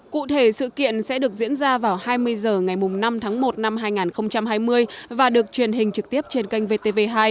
cụ thể sự kiện sẽ được diễn ra vào hai mươi h ngày năm tháng một năm hai nghìn hai mươi và được truyền hình trực tiếp trên kênh vtv hai